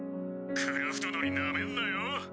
クラフト乗りなめんなよ。